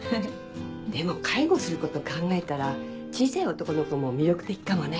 でも介護すること考えたら小さい男の子も魅力的かもね。